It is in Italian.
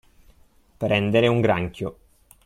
Prendere un granchio.